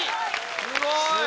すごーい